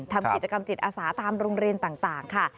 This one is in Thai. ทำกิจกรรมจิตอาสาตามโรงเรียนต่างค่ะ